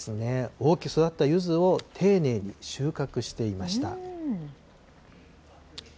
大きく育ったゆずを丁寧に収穫していました。